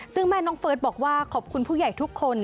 ซึ่งแม่น้องเฟิร์สบอกว่าขอบคุณผู้ใหญ่ทุกคน